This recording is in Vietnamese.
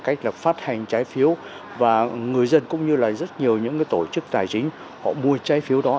cách là phát hành trái phiếu và người dân cũng như là rất nhiều những tổ chức tài chính họ mua trái phiếu đó